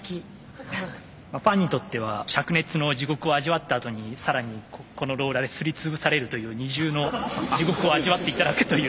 パンにとってはしゃく熱の地獄を味わったあとに更にこのローラーですり潰されるという二重の地獄を味わって頂くという。